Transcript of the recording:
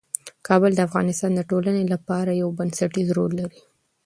کابل د افغانستان د ټولنې لپاره یو بنسټيز رول لري.